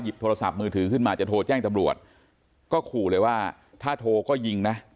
โทรศัพท์มือถือขึ้นมาจะโทรแจ้งตำรวจก็ขู่เลยว่าถ้าโทรก็ยิงนะ